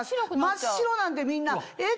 真っ白なんでみんなえっ！